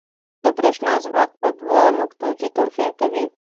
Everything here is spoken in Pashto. د برېښنا ځواک په دوو نقطو کې توپیر کوي.